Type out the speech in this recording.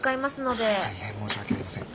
大変申し訳ありません。